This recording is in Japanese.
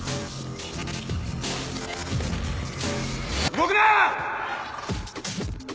・動くな！